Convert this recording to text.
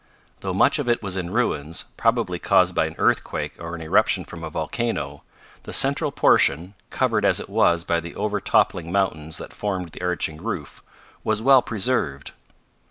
Though much of it was in ruins, probably caused by an earthquake or an eruption from a volcano, the central portion, covered as it was by the overtoppling mountains that formed the arching roof, was well preserved.